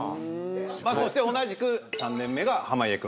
そして同じく３年目が濱家君。